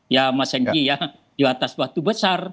ya mas hengki ya di atas waktu besar